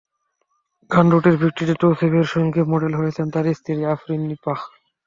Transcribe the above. গান দুটির ভিডিওতে তৌসিফের সঙ্গে মডেল হয়েছেন তাঁর স্ত্রী আফরিন নীপা।